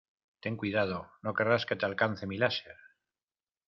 Ten cuidado. No querrás que te alcance mi láser .